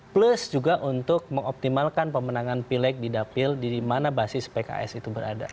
plus juga untuk mengoptimalkan pemenangan pileg di dapil dimana basis pks itu berada